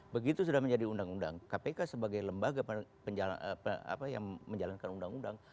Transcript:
begitu sudah menjadi undang undang kpk sebagai lembaga yang menjalankan undang undang